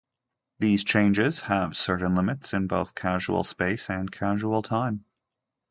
These changes have certain limits - in both causal space and causal time.